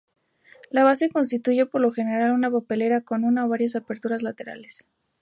La base constituye por lo general una papelera con una o varias aperturas laterales.